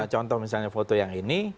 contoh misalnya foto yang ini